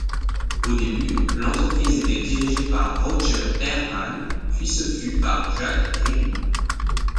Au début l'entreprise était dirigée par Roger Ehrman puis ce fut par Jacques Rigout.